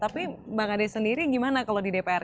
tapi mbak kade sendiri gimana kalau di dpr